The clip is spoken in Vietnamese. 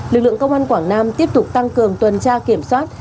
lực lượng công an quảng nam tiếp tục tăng cường tuần tra kiểm soát